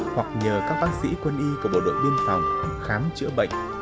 hoặc nhờ các bác sĩ quân y của bộ đội biên phòng khám chữa bệnh